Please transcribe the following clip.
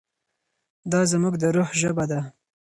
دا زموږ د روح ژبه ده.